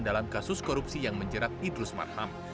dalam kasus korupsi yang menjerat idrus marham